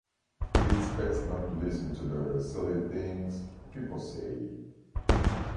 It’s best not to listen to the silly things people say.